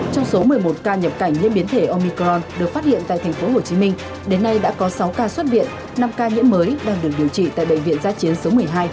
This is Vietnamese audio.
trong số một mươi một ca nhập cảnh nhiễm biến thể omicron được phát hiện tại tp hcm đến nay đã có sáu ca xuất viện năm ca nhiễm mới đang được điều trị tại bệnh viện gia chiến số một mươi hai